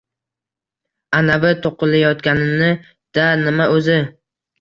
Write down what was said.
Anavi to’qillatayotganni-da, nima o’zi?